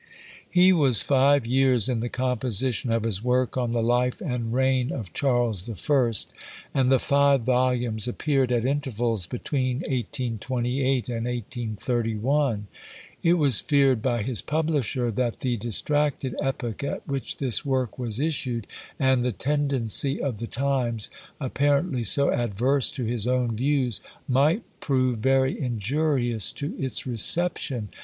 He was five years in the composition of his work on the "Life and Reign of Charles the First," and the five volumes appeared at intervals between 1828 and 1831. It was feared by his publisher, that the distracted epoch at which this work was issued, and the tendency of the times, apparently so adverse to his own views, might prove very injurious to its reception.